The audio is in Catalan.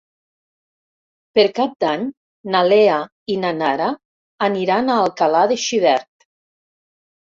Per Cap d'Any na Lea i na Nara aniran a Alcalà de Xivert.